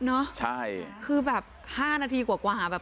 โอ้โหเฮ้ยครอแม่งไม่คร่มเลย